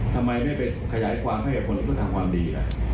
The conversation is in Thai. ทำไมไม่ไปเขยายความให้กับคนที่สถาบันดี